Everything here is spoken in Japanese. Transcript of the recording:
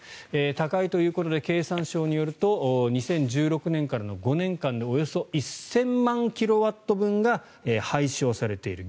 高いということで経産省によると２０１６年からの５年間でおよそ１０００万キロワット分が廃止をされている。